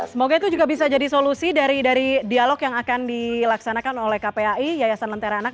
semoga itu juga bisa jadi solusi dari dialog yang akan dilaksanakan oleh kpai yayasan lentera anak